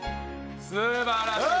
素晴らしい。